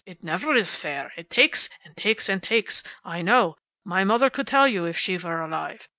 It never is fair. It takes, and takes, and takes. I know. My mother could tell you, if she were alive.